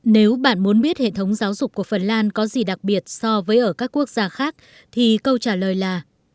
nếu bạn muốn biết hệ thống giáo dục của phần lan có gì đặc biệt so với ở các quốc gia khác thì câu trả lời là